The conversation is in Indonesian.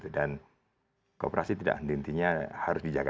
dan kooperasi tidak nantinya harus dijaga